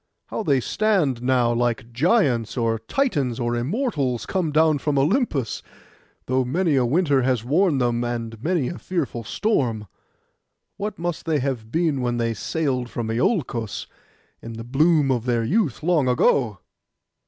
How they stand now like Giants, or Titans, or Immortals come down from Olympus, though many a winter has worn them, and many a fearful storm. What must they have been when they sailed from Iolcos, in the bloom of their youth, long ago?